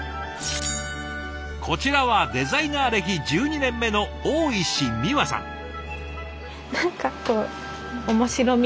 こちらはデザイナー歴１２年目の大石美和さん。